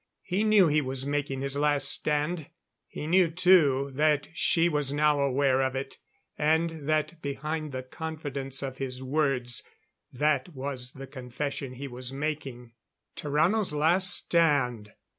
He knew he was making his last stand. He knew too that she was now aware of it; and that behind the confidence of his words that was the confession he was making. Tarrano's last stand!